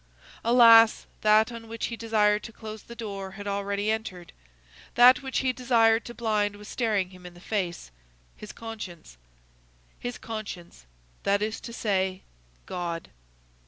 Alas! That on which he desired to close the door had already entered; that which he desired to blind was staring him in the face,—his conscience. His conscience; that is to say, God.